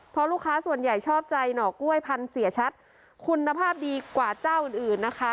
เพราะลูกค้าส่วนใหญ่ชอบใจหน่อกล้วยพันธุ์เสียชัดคุณภาพดีกว่าเจ้าอื่นอื่นนะคะ